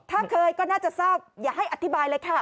ถ้าเคยก็น่าจะทราบอย่าให้อธิบายเลยค่ะ